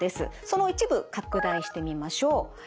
その一部拡大してみましょう。